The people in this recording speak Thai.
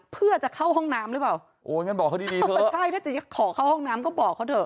เพื่อจะเข้าห้องน้ำหรือเปล่าโอ้ยงั้นบอกเขาดีดีเถอะใช่ถ้าจะขอเข้าห้องน้ำก็บอกเขาเถอ